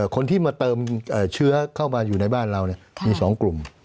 คนที่มาเติมเชื้อเข้ามาอยู่ในบ้านเรามี๒กลุ่ม